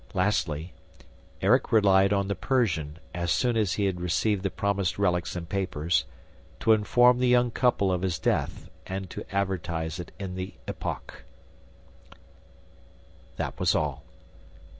Lastly, Erik relied on the Persian, as soon as he received the promised relics and papers, to inform the young couple of his death and to advertise it in the EPOQUE. That was all.